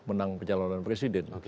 menang pencalonan presiden